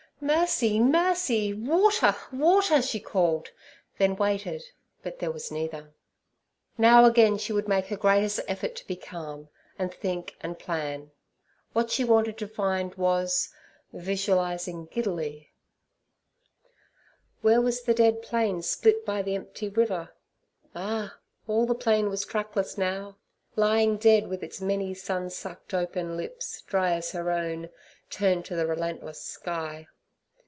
'Mercy! mercy! Water! water!' she called, then waited, but there was neither. Now, again, she would make her greatest effort to be calm, and think and plan. What she wanted to find was—[visualizing giddily]. Where was the dead plain split by the empty river? Ah! all the plain was trackless now, lying dead, with its many sun sucked open lips, dry as her own, turned to the relentless sky.